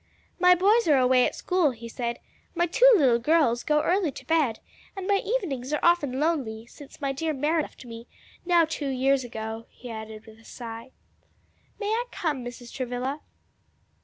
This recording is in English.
"My boys are away at school," he said, "my two little girls go early to bed, and my evenings are often lonely since my dear Mary left me, now two years ago," he added with a sigh. "May I come, Mrs. Travilla?"